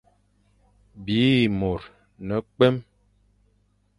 Bî môr ne-kwém.